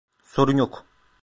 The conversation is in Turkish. Sorun yok.